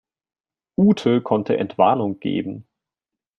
Ute konnte Entwarnung geben.